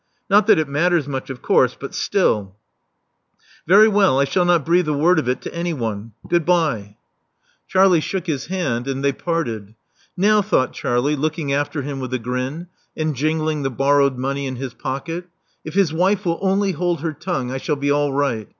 Not that it matters much, of course; but still " •'Very well, I shall not breathe a word of it to any one. Goodbye." Love Among the Artists 359 Charlie shook his hand; and they parted. Now," thought Charlie, looking after him with a grin, and jingling the borrowed money in his pocket, i£ his wife will only hold her tongue, I shall be all right.